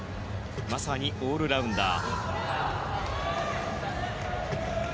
まさにオールラウンダー。